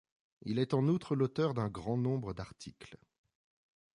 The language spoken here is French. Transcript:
Il est en outre l'auteur d'un grand nombre d'articles.